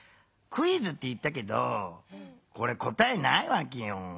「クイズ」って言ったけどこれ答えないわけよ。